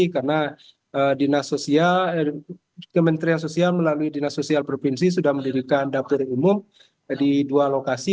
karena dinas sosial kementerian sosial melalui dinas sosial provinsi sudah mendirikan dapur umum di dua lokasi